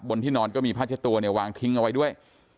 ที่นอนก็มีผ้าเช็ดตัวเนี่ยวางทิ้งเอาไว้ด้วย